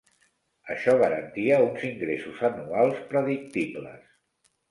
Això garantia uns ingressos anuals predictibles.